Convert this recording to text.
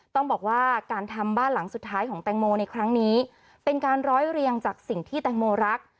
ต้องบอกว่าการทำบ้านหลังสุดท้ายของแตงโมในครั้งนี้เป็นการร้อยเรียงจากสิ่งที่แตงโมรัก